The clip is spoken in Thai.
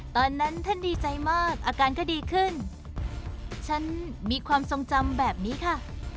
ตอนนั้นท่านดีใจมากอาการก็ดีขึ้นฉันมีความทรงจำแบบนี้ค่ะ